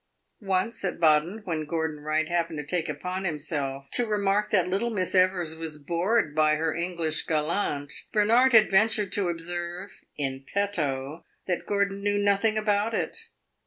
Once, at Baden, when Gordon Wright happened to take upon himself to remark that little Miss Evers was bored by her English gallant, Bernard had ventured to observe, in petto, that Gordon knew nothing about it.